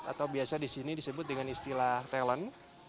atau biasanya di sini disebut dengan istilah talent